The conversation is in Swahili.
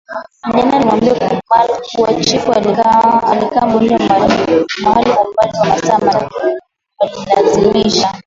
Kijana alimwambia Merkl kuwa chifu alikaa mgonjwa mahali kwa umbali wa masaa matatu Walimlazimisha